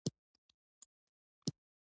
خو زموږ ګیلاسونه موږ ته نږدې پراته ول.